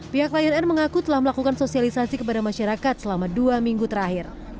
pihak lion air mengaku telah melakukan sosialisasi kepada masyarakat selama dua minggu terakhir